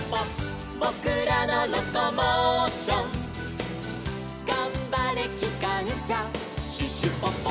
「ぼくらのロコモーション」「がんばれきかんしゃシュシュポポ」